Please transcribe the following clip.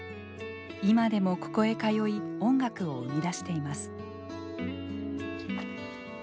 今でもここへ通い音楽を生み出しています。